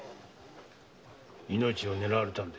命を狙われたんだ。